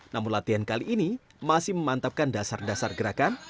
namun latihan kali ini masih memantapkan dasar dasar gerakan